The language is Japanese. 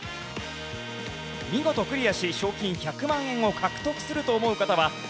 見事クリアし賞金１００万円を獲得すると思う方は＃